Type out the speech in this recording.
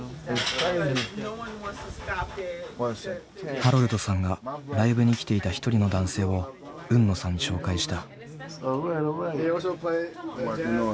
ハロルドさんがライブに来ていた一人の男性を海野さんに紹介した。